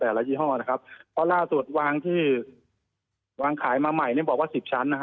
ยี่ห้อนะครับเพราะล่าสุดวางที่วางขายมาใหม่เนี่ยบอกว่าสิบชั้นนะฮะ